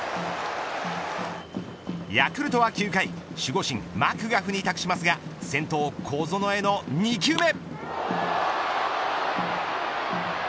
ヤクルトは９回守護神マクガフに託しますが先頭、小園への２球目。